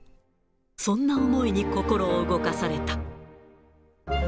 そんな思いに心を動かされた。